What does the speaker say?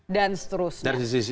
dan seterusnya dari sisi